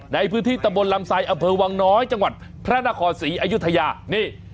ในพื้นที่ตะบนลำไซดอำเภอวังน้อยจังหวัดพระนครศรีอยุธยานี่